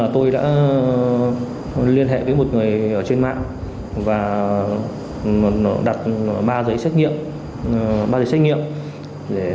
tôi đã liên hệ với một người ở trên mạng và đặt ba giấy xét nghiệm